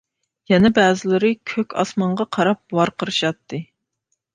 يەنە بەزىلىرى كۆك ئاسمانغا قاراپ ۋارقىرىشاتتى.